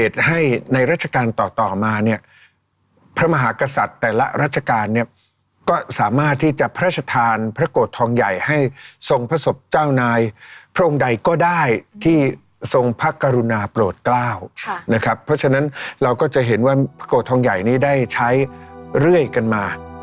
แต่ละราชการเนี่ยก็สามารถที่จะพระชธานพระโกธทองใหญ่ให้ทรงพระศพเจ้านายพรงใดก็ได้ที่ทรงพระกรุณาโปรดกล้าวนะครับเพราะฉะนั้นเราก็จะเห็นว่าพระโกธทองใหญ่นี้ได้ใช้เรื่อยกันมา